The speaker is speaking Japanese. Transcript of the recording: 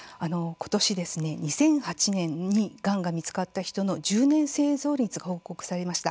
ことし２００８年にがんが見つかった人の１０年生存率が公表されました。